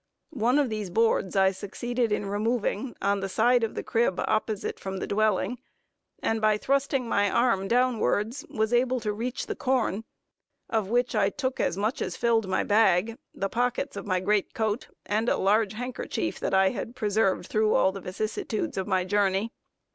One of these boards I succeeded in removing, on the side of the crib opposite from the dwelling, and by thrusting my arm downwards, was able to reach the corn of which I took as much as filled my bag, the pockets of my great coat, and a large handkerchief that I had preserved through all the vicissitudes of my journey.